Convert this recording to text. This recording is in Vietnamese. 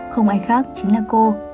không ai khác chính là cô